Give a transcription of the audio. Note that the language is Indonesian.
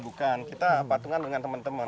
bukan kita patungan dengan teman teman